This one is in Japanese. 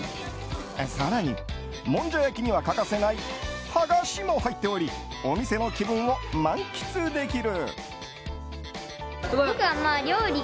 更に、もんじゃ焼きには欠かせないハガシも入っておりお店の気分を満喫できる。